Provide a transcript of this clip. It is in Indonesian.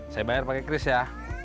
saya bayar pakai kris ya